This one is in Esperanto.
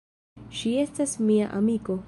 Ŝi estas mia amiko.